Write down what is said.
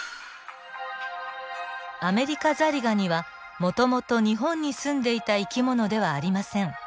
アメリカザリガニはもともと日本に住んでいた生き物ではありません。